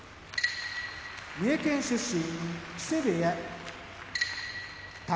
三重県出身木瀬部屋宝